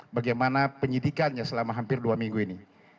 bagaimana penyidikannya selama hampir dua minggu ini